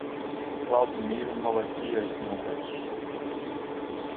Claudemiro Malaquias de Morais